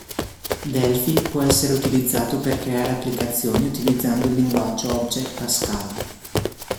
Delphi può essere utilizzato per creare applicazioni utilizzando il linguaggio Object Pascal.